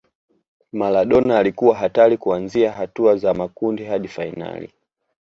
maradona alikuwa hatari kuanzia hatua za makundi hadi fainali